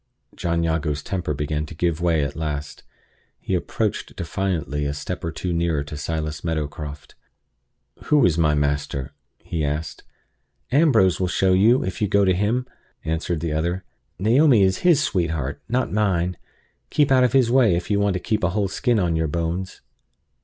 John Jago's temper began to give way at last. He approached defiantly a step or two nearer to Silas Meadowcroft. "Who is my master?" he asked. "Ambrose will show you, if you go to him," answered the other. "Naomi is his sweetheart, not mine. Keep out of his way, if you want to keep a whole skin on your bones."